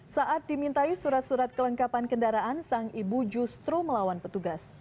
saat dimintai surat surat kelengkapan kendaraan sang ibu justru melawan petugas